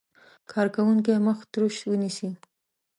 کارکوونکی مخ تروش ونیسي.